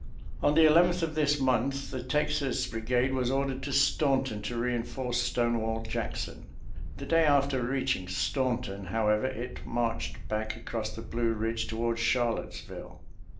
On the eleventh of this month the Texas Bri gade was ordered to Staunton to reinforce Stone wall Jackson. The day after reaching Staunton, however, it marched back across the Blue Ridge toward Charlottesville.